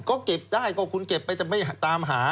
ก็เก็บได้ก็คุณเก็บไปจะไม่ตามหา